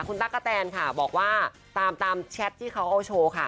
คุณตั๊กกะแตนค่ะบอกว่าตามแชทที่เขาเอาโชว์ค่ะ